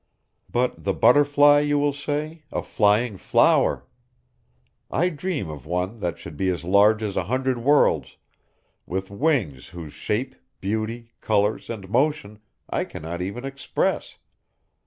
But, the butterfly you will say, a flying flower! I dream of one that should be as large as a hundred worlds, with wings whose shape, beauty, colors, and motion I cannot even express.